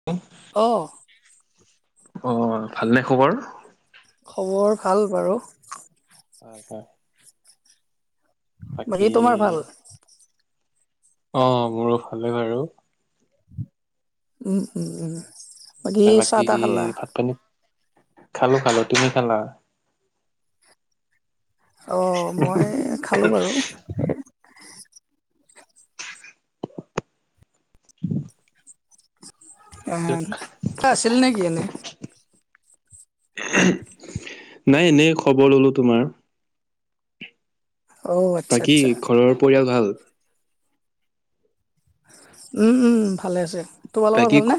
[unintelligible] অ'। অ' ভালনে খবৰ? খবৰ ভাল বাৰু। হয় হয়। বাকী তোমাৰ ভাল? অ' মোৰো ভালে বাৰু। উম, উম, উম, বাকি চাহ টাহ খালা? খালোঁ, খালোঁ খালোঁ। তুমি খালা? অ' মই খালোঁ বাৰু। এ, ত' আছিল নেকি এনে? নাই, এনেই খবৰ ল'লো তোমাৰ। অ', আচ্ছা বাকী আচ্ছা ঘৰৰ পৰিয়াল ভাল? উম, উম, ভালে আছে। তোমালোকৰ বাকী, ভালনে?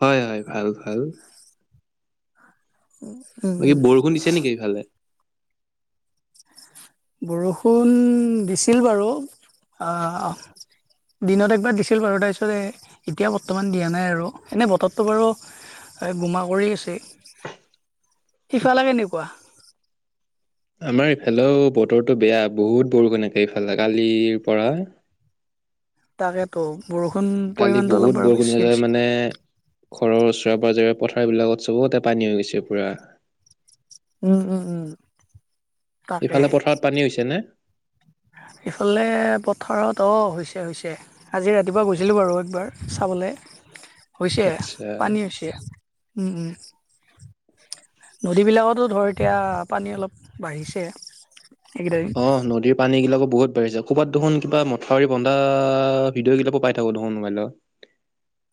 হয় হয়, ভাল ভাল। উ। বাকী বৰষুণ দিছে নেকি এইফালে? বৰষুণ দিছিল বাৰু। আ দিনত একবাৰ দিছিল বাৰু তাৰপিছত এতিয়া বৰ্তমান দিয়া নাই আৰু, এনেই বতৰটো বাৰু বোমা কৰি আছে। সিফালে কেনেকুৱা? আমাৰ ইফালেও বতৰটো বেয়া, বহুত বৰষুণকে ইফালে, কালিৰপৰা তাকেতো, বৰষুণ পৰিমণটো অলপ বাৰু বেছি হৈছে। এ ঘৰৰ ওচৰে পাজৰে পথাৰবিলাকত চবতে পানী হৈ গৈছে পুৰা। উম, উম, উম। হিফালে তাকে পথাৰত পানী হৈছেনে? এইফালে পথাৰত অ' হৈছে হৈছে। আজি ৰাতিপুৱা গৈছিলোঁ বাৰু একবাৰ চাবলে। হৈছে, আচ্ছা। পানী হৈছে, উম, উম। নদীবিলাকতো ধৰ এতিয়া পানী অলপ বাঢ়িছে। এইকেইটা দিন অ' নদীত পানীগিলাকো বহুত বাঢ়িছে, ক'ৰবাত দেখোন কিবা মথাউৰি বন্ধা ভিডিঅ'গিলাকো পাই থাকোঁ দেখোন মোবাইলত।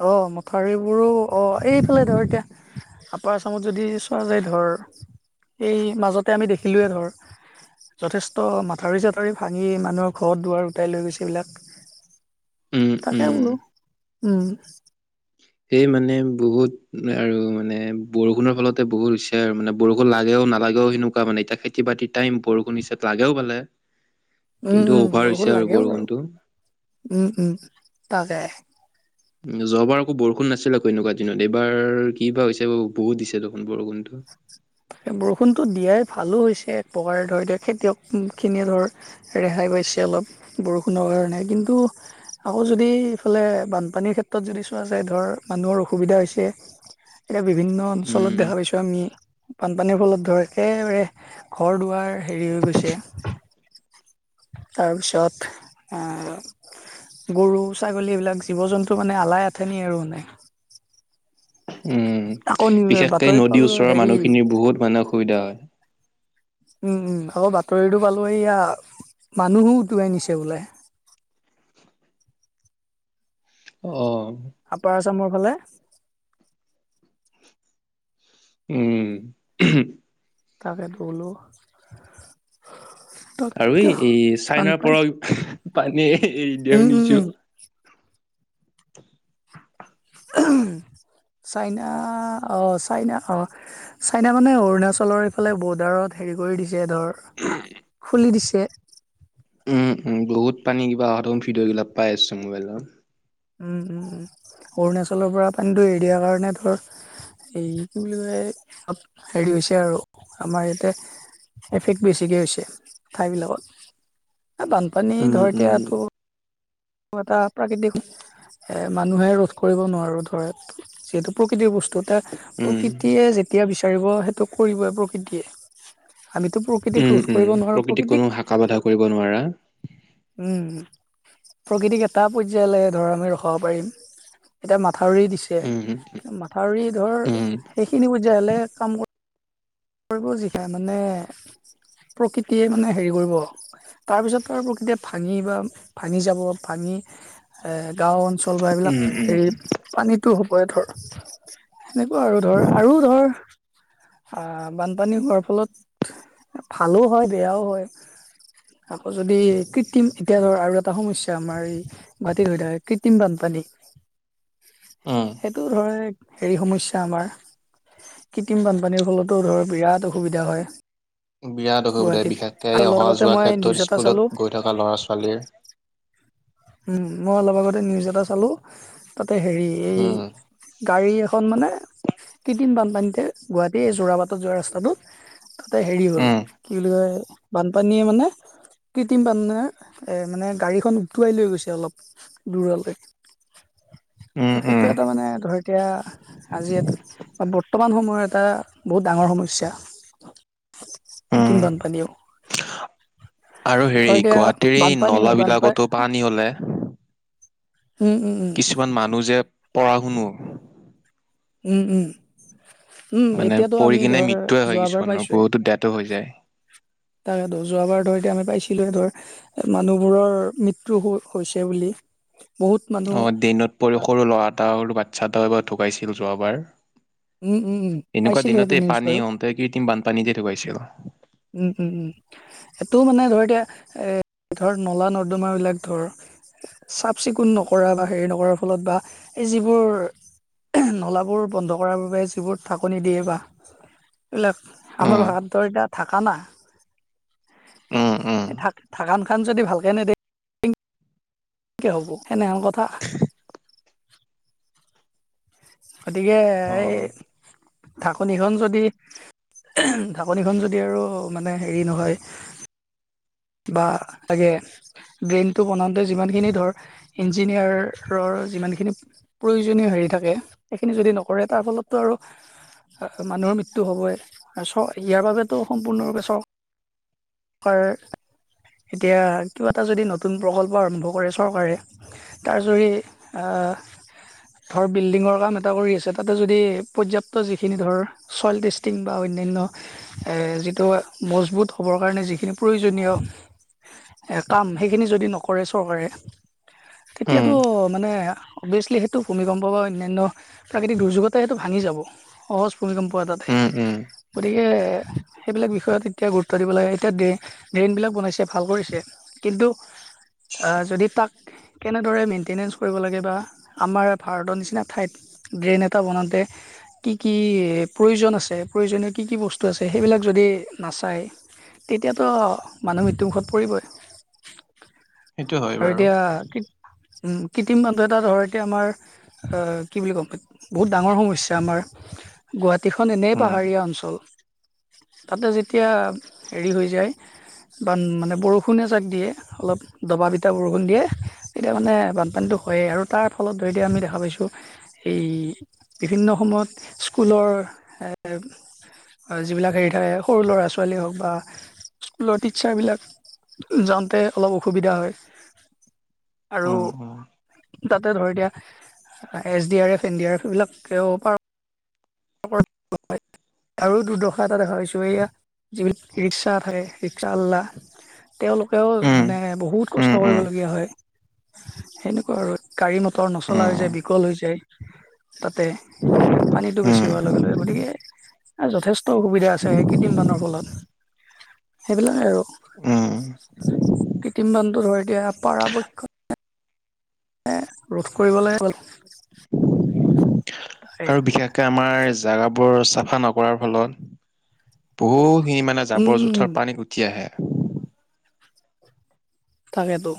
অ' মথাউৰিবোৰো অ' এইফালে ধৰ এতিয়া আপাৰ আচামত যদি চোৱা যায় ধৰ, এই মাজতে আমি দেখিলোঁৱেই ধৰ যথেষ্ট মাথাউৰি চাথাউৰি ভাঙি মানুহৰ ঘৰত দুৱাৰ উটাই লৈ গৈছে এইবিলাক। উম, তাকে উম। বোলো, উম। সেই মানে বহুত আৰু, মানে বৰষুণৰ ফলতে বহুত হৈছে আৰু মানে। বৰষুণ লাগেও নালাগেও সেনেকুৱা মানে, এতিয়া খেতি বাতিৰ টাইম বৰষুণ নিচ লাগেও ভালে। উম কিন্তু উম অভাৰ বৰষুণ হৈছে আৰু লাগেও বাৰু বৰষুণটো। উম, উম, তাকে। উ, যোৱাবাৰ আকৌ বৰষুণ নাছিলে আকৌ এনেকুৱা দিনত, এইবাৰ কি বা হৈছে ব-বহুত দিছে দেখোন বৰষুণটো। তাকে বৰষুণটো দিয়াই ভালো হৈছে এক প্ৰকাৰে ধৰ, এতিয়া খেতিয়কখিনিয়ে ধৰ ৰেহাই পাইছে অলপ বৰষুণৰ কাৰণে কিন্তু আকৌ যদি ইফালে বানপানীৰ ক্ষেত্ৰত যদি চোৱা যায় ধৰ মানুহৰ অসুবিধা হৈছে। [inaudible] এতিয়া বিভিন্ন অঞ্চলত উম, দেখা পাইছোঁ আমি বানপানীৰ ফলত ধৰ একেবাৰে ঘৰ দুৱাৰ হেৰি হৈ গৈছে। তাৰপিছত আহ গৰু-ছাগলী এইবিলাক জীৱ জন্তু মানে আলাই আথেনী আৰু মানে। উম, আকৌ নি বিশেষকে বাতৰিত পালো নদীৰ ওচৰৰ হেৰি মানুহখিনিৰ বহুত মানে অসুবিধা হয়। উম, উম, আকৌ বাতৰিটো পালো এইয়া মানুহো উটুৱাই নিছে বোলে। অ'। আপাৰ আচামৰ ফালে। উম। তাকে টো বোলো। আৰু তাকেতো এই এই চাইনাৰ বানপানী পৰাউ পানী এৰি দিয়া উম উম উম শুনিছোঁ। চাইনা অঁ', চাইনা অঁ' চাইনা মানে অৰুণাচলৰ এইফালে বৰ্ডাৰত হেৰি কৰি দিছে ধৰ খুলি দিছে। উম, উম, বহুত পানী কিবা অহা ভিডিঅ' গিলাক পাই আছোঁ মোবাইলত। উম, উম, উম, অৰুণাচলৰ পৰা পানীতটো এৰি দিয়া কাৰণে, ধৰ এই কি বুলি কয়, হেৰি হৈছে আৰু আমাৰ ইয়াতে এফেক্ট বেছিকে হৈছে, ঠাই বিলাকত বানপানী উম ধৰ উম এতিয়া তোৰ এটা প্ৰাকৃতিক এ মানুহে ৰোধ কৰিব নোৱাৰো ধৰ। যিহেতু, প্ৰকৃতিৰ বস্তু এটা উম প্ৰকৃতিয়ে যেতিয়া বিচাৰিব সেইটো কৰিবই প্ৰকৃতিয়ে। আমিতো প্ৰকৃতিক ৰোধ কৰিব নোৱাৰো, প্ৰকৃতিক কাক বাধা কৰিব নোৱাৰ? উম, প্ৰকৃতিক এটা পৰ্যায়লৈ ধৰ আমি ৰখাব পাৰিম। এতিয়া মাথাউৰি দিছে, উম কিন্তু মাথাউৰি ধৰ উম সেইখিনি প্ৰযাইলে কাম কৰিব যিষা মানে প্ৰকৃতিয়ে মানে হেৰি কৰিব। তাৰ পিছত আৰু প্ৰকতিয় ভাঙি বা ভাঙি যাব ভাঙি এ গাওঁ অঞ্চল বা এইবিলাক উম হেৰি উম পানীটো হ'বই ধৰ। সেনেকুৱা আৰু ধৰ আৰু ধৰ বানপানী হোৱাৰ ফলত ভালো হয়, বেয়াও হয়। আকৌ যদি কৃত্ৰিম এতিয়া ধৰ আৰু এটা সমস্যা আমাৰ এই গুৱাহাটীত হৈ থাকে কৃত্ৰিম বানপানী উম। সেইটো ধৰ হেৰি সমস্যা আমাৰ কৃত্ৰিম বানপানীৰ ফলত টো ধৰ বিৰাট অসুবিধা হয়। বিৰাট অসুবিধা গুৱাহাটীত। আৰু বিশেষকৈ অলপ অহা আগতে যোৱাৰ মই নিউজ ক্ষেত্ৰত এটা চালো স্কুলত গৈ থকা ল'ৰা ছোৱালীৰ। উম, মই অলপ আগতে নিউজ এটা চালো তাতে হেৰি, এই উম। গাড়ী এখন মানে কৃত্ৰিম বানপানীতে গুৱাহাটী যোৰাবাটত যোৱা ৰাস্তাটোত। তাতে হেৰি, হ'ল উম কি বুলি কয় বানপানীয়ে মানে কৃত্ৰিম বানে মানে গাড়ীখন উটুৱাই লৈ গৈছে অলপ দূৰলৈ উম ত' সেইটো উম এটা মানে ধৰ এতিয়া আজি বা বৰ্তমান সময়ৰ এটা বহুত ডাঙৰ সমস্যা উম কৃত্ৰিম বানপানীও। আৰু হেৰি ধৰ এতিয়া গুৱাহাটীৰ এই বানপানী হয়, নলাবিলাকতো বানপানী পানী হ'লে উম, উম, উম। কিছুমান মানুহ যে পৰা শুনো। উম, উম, উম, মানে এতিয়াতো পৰি আমি কিনে ধৰ মৃত্যুয়ে হয় যোৱাবাৰ কিছুমানৰ পাইছোৱে। বহুতো ডেথো হৈ যায় তাকে টো যোৱাবাৰ ধৰ এতিয়া আমি পাইছিলোঁৱে ধৰ মানুহবোৰৰ মৃত্যু হৈছে বুলি। বহুত মানুহ অ', ড্ৰেনত পৰি সৰু ল'ৰা এটা সৰু বাচ্ছা এটাও এবাৰ ঢুকাইছিল যোৱাবাৰ। উম উম উম এনেকুৱা পাইছিলো সেইটো দিনতে নিউজ পানী বাৰু আহোঁতে কৃত্ৰিম বানপানীতে ঢুকাইছিল। উম, উম, উম। এইটো মানে ধৰ এতিয়া এ ধৰ নলা নৰ্দমা বিলাক ধৰ চাফ চিকুণ নকৰা বা হেৰি নকৰাৰ ফলত বা এই যিবোৰ নলাবোৰ বন্ধ কৰাৰ বাবে যিবোৰ ঢাকনি দিয়ে বা এইবিলাক আমাৰ উম ভাষাতটোৰ এতিয়া থকা না। উম উম এই থাক থঢাকন খান যদি ভাল [unintelligible] যেনেক হ'ব এনেহেন কথা। গতিকে অ এই ঢাকনিখন যদি ঢাকনিখন যদি আৰু মানে হেৰি নহয় বা আগে ড্ৰেইনটো বনাওঁতে যিমানখিনি ধৰ ইঞ্জিনিয়াৰৰ যিমানখিনি প্ৰয়োজনীয় হেৰি থাকে সেইখিনি যদি নকৰে তাৰ ফলতটো আৰু মানুহৰ মৃত্যু হ'বই চ ইয়াৰ বাবেতো সম্পূৰ্ণৰূপে চওক কৰ এতিয়া কিবা এটা যদি নতুন প্ৰকল্প আৰম্ভ কৰে চৰকাৰে তাৰ জৰি ধৰ বিল্ডিংৰ কাম এটা কৰি আছে তাতে যদি পৰ্যাপ্ত যিখিনি ধৰ চইল টেষ্টিং বা অন্যান্য যিটো মজবুত হ'বৰ কাৰণে যিখিনি প্ৰয়োজনীয় কাম সেইখিনি যদি নকৰে চৰকাৰে তেতিয়াতো উম মানে অভিয়াচলি সেইটো ভূমিকম্প বা অন্যান্য প্ৰাকৃতিক দুৰ্যোগতা সেইটো ভাঙি যাব সহজ ভূমিকম্প এটাতে উম, উম। গতিকে সেইবিলাক বিষয়ত এতিয়া গুৰুত্ব দিব লাগে এতিয়া ড্ৰেই ড্ৰেইনবিলাক বনাইছে ভাল কৰিছে কিন্তু যদি তাক কেনেদৰে মেইনটেনেঞ্চ কৰিব লাগে বা আমাৰ ভাৰতৰ নিচিনা ঠাইত ড্ৰেন এটা বনাওঁতে। কি, কি প্ৰয়োজন আছে প্ৰয়োজনীয় কি, কি বস্তু আছে সেইবিলাক যদি নাচায় তেতিয়াতো মানুহ মৃত্যুমুখত পৰিবই। সেইটো হয় আৰু বাৰু এতিয়া উ কৃত্ৰিম মানুহ এটা ধৰ এতিয়া আমাৰ কি বুলি ক'ম বহুত ডাঙৰ সমস্যা আমাৰ। গুৱাহাটীখন এনেই উম পাহাৰীয়া অঞ্চল। তাতে যেতিয়া হেৰি হৈ যায়। বা মানে বৰষুণে চাক দিয়ে অলপ দবা বিটা বৰষুণ দিয়ে এতিয়া মানে বানপানীটো হয়েই আৰু তাৰ ফলত ধৰি দ আমি দেখা পাইছোঁ এই বিভিন্ন সময়ত স্কুলৰ যিবিলাক হেৰি থাকে সৰু ল'ৰা ছোৱালী হওক বা স্কুলত ইচ্ছা বিলাক যাওঁতে অলপ অসুবিধা হয়। আৰু উম উম তাতে ধৰি দিয়া S D R F N D R F এইবিলাকেও পাৰ [unintelligible] আৰু দুৰ্দৰ্শা এটা দেখা পাইছোঁ এইয়া যি ৰিক্সা থাকে ৰিক্সাৱাল্লা তেওঁলোকেও উম মানে বহুত কষ্ট উম উম কৰিবলগীয়া হয়। সেনেকুৱা আৰু গাড়ী মটৰ বতৰ নচলা উম হৈছে বিকল হৈছে তাতে পানীতটো বেছি উম হোৱাৰ লগে লগে গতিকে যথেষ্ট অসুবিধা আছে কৃত্ৰিম বানৰ ফলত। সেইবিলাকে আৰু উম কৃত্ৰিম বানটো ধৰ এতিয়া পৰাপক্ষ ৰোধ কৰিবলৈ গৈ আৰু বিশেষকে আমাৰ জেগাবোৰ চাফা নকৰাৰ ফলত বহুখিনি মানে জাবৰ উম জোঁথৰ পানীত উটি আহে। তাকেতো।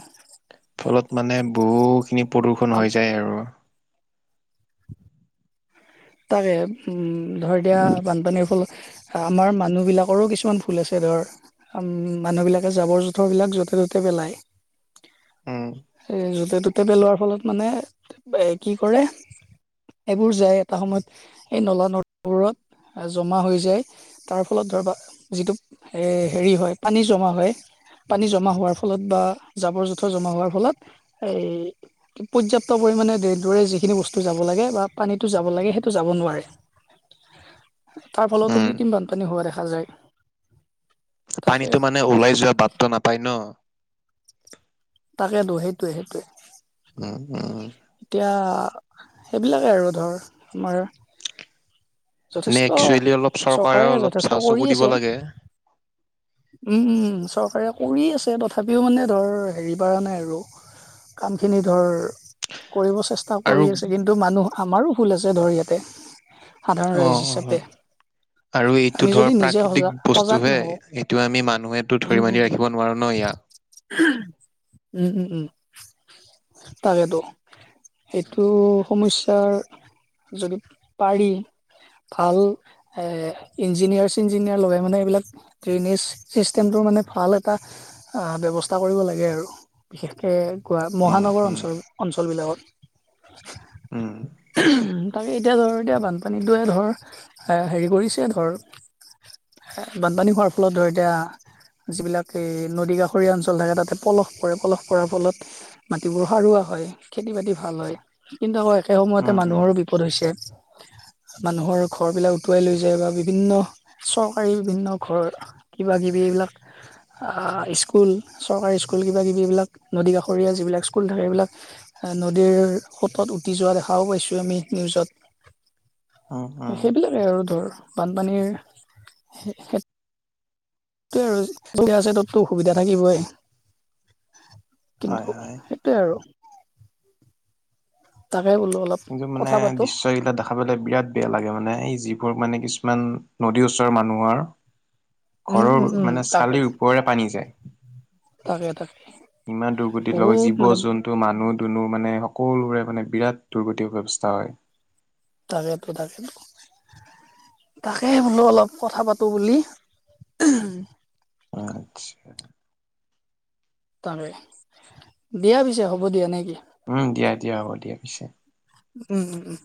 ফলত মানে বহুখিনি প্ৰদূষণ হৈ যায় আৰু। তাকে ধৰ দিয়া বানপানীৰ ফুল আমাৰ মানুহবিলাকৰো কিছুমান ভুল আছে ধৰ। আ, মানুহবিলাকে জাবৰ জোঁথৰবিলাক য'তে ত'তে পেলায়। উম সে য'তে ত'ত তে পেলোৱাৰ ফলত মানে কি কৰে, এইবোৰ যে এটা সময়ত এই নলা নদবোৰত জমা হৈ যায় তাৰফলত ধৰবা যিটো হেৰি হয়, পানী জমা হয় পানী জমা হোৱাৰ ফলত বা জাবৰ জোঁথৰ জমা হোৱাৰ ফলত এই পৰ্যাপ্ত পৰিমাণে দৰে যিখিনি বস্তু যাব লাগে বা পানীটো যাব যাব লাগে সেইটো যাব নোৱাৰে, তাৰফলতো উম কৃত্ৰিম বানপানী হোৱা দেখা যায়। তাকে পানীটো আৰু মানে ওলাই যোৱা বাটটো নাপায় ন'। তাকেতো, সেইটোৱে সেইটোৱে। উম, উম। এতিয়া সেইবিলাকে আৰু ধৰ, আমাৰ এনে যথেষ্ট একচুৱেলি অলপ চৰকাৰে অলপ যথেষ্ট চাল কৰি চকু দিব আছে লাগে। উম, উ, চৰকাৰে কৰি আছে তথাপিও মানে ধৰ হেৰি পৰা নাই আৰু। কামখিনি ধৰ কৰিব চেষ্টা আৰু কৰি আছে কিন্তু মানুহ, আমাৰো ভুল আছে ধৰ ইয়াতে। সাধাৰণ অ ৰাইজ অ হিচাপে। আৰু এইটো আমি ধৰ যদি নিজে সজা প্ৰাকৃতিক সজাগ বস্তুহে, নহওঁ এইটো আমি মানুহেতো উম, ধৰি উম, বান্ধি উম, ৰাখিব নোৱাৰো ন' ইয়াক। উম, উম, উম, তাকেতো। এইটো উম সমস্যাৰ যদি পাৰি ভাল এ, ইঞ্জিনিয়াৰ চিঞ্জিনিয়াৰ লগাই মানে এইবিলাক ড্ৰেইনেজ চিষ্টেমটোৰ মানে ভাল এটা আ, ব্যৱস্থা কৰিব লাগে আৰু, বিশেষকে কোৱা, মহানগৰ উম অঞ্চল, অঞ্চলবিলাকত। উম। তাকে এতিয়া ধৰ, এতিয়া বানপানীটোৱে ধৰ হেৰি কৰিছে ধৰ বানপানী হোৱাৰ ফলত ধৰ এতিয়া যিবিলাক এই নদী কাষৰীয়া অঞ্চল থাকে তাতে পলস কৰে, পলস পৰাৰ ফলত মাটিবোৰ সাৰুৱা হয়, খেতি বাতি ভাল হয়, কিন্তু আকৌ একে উম সময়তে উম মানুহৰো বি পদ হৈছে। মানুহৰ ঘৰবিলাক উটুৱাই লৈ যায় বা বিভিন্ন চৰকাৰী বিভিন্ন ঘৰ কিবাকিবি এইবিলাক স্কুল, চৰকাৰী স্কুল কিবাকিবিব এইবিলাক নদী কাষৰীয়া যিবিলাক স্কুল থাকে সেইবিলাক নদীৰ সোতত উটি যোৱা দেখাও পাইছোঁ আমি নিউজত। উম উম সেইবিলাকে আৰু ধৰ বানপানীৰ হে সেইটোৱে আৰু যেতিয়া আছে তততো অসুবিধা থাকিবই, হয় কিন্তু হয়। সেইটোৱে আৰু। তাকে বোলো অলপ কিন্তু মানে কথা পাতো দৃশ্যবিলাক দেখা দেখা পালে বিৰাট বেয়া লাগে, মানে এই যিবোৰ মানে কিছুমান নদীৰ ওচৰৰ মানুহৰ উম ঘৰৰ উম উম মানে তাকে চালিৰ ওপৰেৰে পানী যায়। তাকে, তাকে। ইমান দুৰ্গতিৰ লগত বহুত জীৱ মানে জন টো, মানুহ, দনুহ মানে সকলোৰে মানে বিৰাট দুৰ্গতি ব্যৱস্থা হয়। তাকেতো, তাকেতো। তাকে বোলো অলপ কথা পাতোঁ বুলি। আচ্ছা। তাকে, দিয়া পিছে হ'ব দিয়া, নেকি? উম, দিয়া দিয়া, হ'ব দিয়া পিছে। উম, উম, উম।